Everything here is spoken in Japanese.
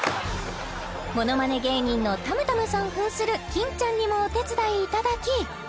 ものまね芸人のたむたむさん扮する欽ちゃんにもお手伝いいただき